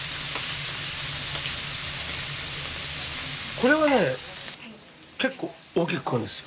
これはね結構大きく聞こえんですよ。